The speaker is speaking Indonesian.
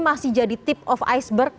masih jadi tip of iceberg